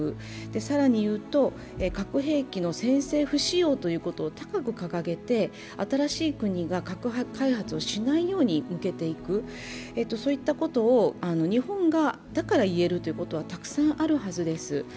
更にいうと核兵器の先制不使用ということを高く掲げて新しい国が核開発をしないように向けていくといったことを日本だから言えることはたくさんあるはずです。